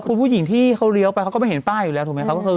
คุณผู้หญิงที่เขาเลี้ยวไปเขาก็ไม่เห็นป้ายอยู่แล้วถูกไหมครับ